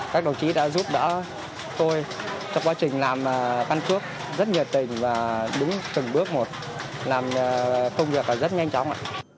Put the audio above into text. các đồng chí đã giúp đỡ tôi trong quá trình làm căn cước rất nhiệt tình và đúng từng bước một làm công việc rất nhanh chóng ạ